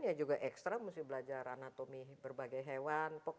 ya juga ekstra mesti belajar anatomi berbagai hewan